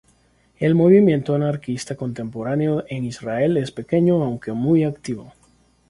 El movimiento anarquista contemporáneo en Israel es pequeño, aunque muy activo.